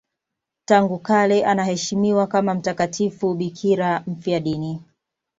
Tangu kale anaheshimiwa kama mtakatifu bikira mfiadini.